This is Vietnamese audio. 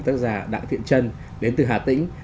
tác giả đặng thiện trân đến từ hà tĩnh